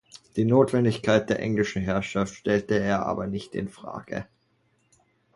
Die Notwendigkeit der englischen Herrschaft stellte er aber nicht in Frage.